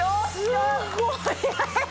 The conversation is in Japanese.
すごい。